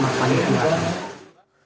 saya di dalam mobil